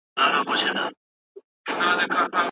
سست خلک هيڅکله په کوم ګټور کار نه دي بوخت.